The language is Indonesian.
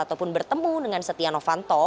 ataupun bertemu dengan setia novanto